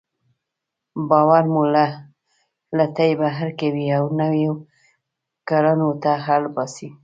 باور مو له لټۍ بهر کوي او نويو کړنو ته اړ باسي.